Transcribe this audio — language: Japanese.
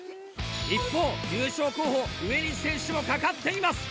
一方優勝候補上西選手もかかっています。